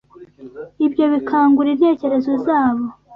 ibyo bikangura intekerezo zabo,